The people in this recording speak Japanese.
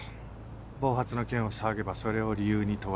暴発の件を騒げばそれを理由に飛ばされる。